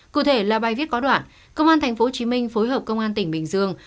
cụ thể là bài viết có đoạn công an tp hcm phối hợp công an tỉnh bình dương